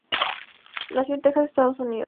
Nació en Texas, Estados Unidos.